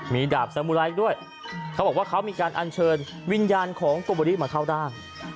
มีดาบสมุไรด้วยเขาบอกว่าเขามีการอัญเชิญวิญญาณของโกโบริมาเข้าร่าง